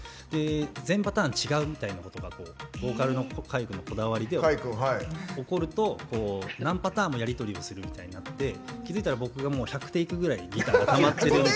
全パターン違うみたいなことがボーカルの海のこだわりで起こると何パターンもやり取りをするみたいなのがあって気付いたら僕が１００テイクぐらい。